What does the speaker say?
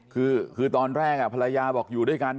คือตอนแรกภรรยาบอกอยู่ด้วยกัน